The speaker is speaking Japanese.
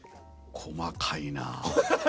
細かいなぁ。